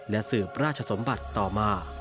และสืบราชสมบัติต่อมา